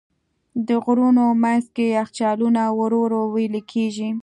د غرونو منځ کې یخچالونه ورو ورو وېلې کېږي.